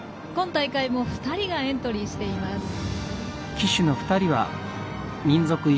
今大会も２人がエントリーしています。